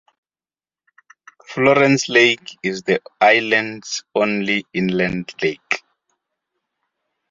Florence Lake is the island's only inland lake.